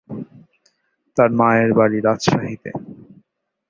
তার মায়ের বাড়ি রাজশাহীতে।